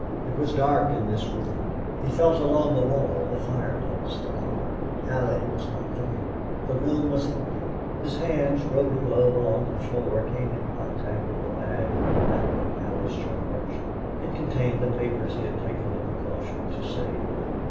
It was dark in this room. He felt along the wall, the fireplace, the corner. Allie was not there. The room was empty. His hands groping low along the floor came in contact with the bag he had left in Allie's charge. It contained the papers he had taken the precaution to save.